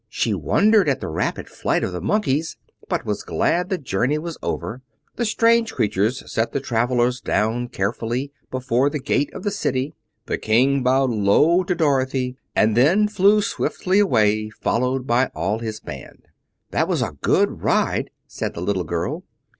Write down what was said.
She wondered at the rapid flight of the Monkeys, but was glad the journey was over. The strange creatures set the travelers down carefully before the gate of the City, the King bowed low to Dorothy, and then flew swiftly away, followed by all his band. "That was a good ride," said the little girl.